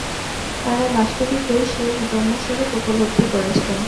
তাঁরা বাস্তবিকই সেই ব্রহ্মস্বরূপ উপলব্ধি করেছেন।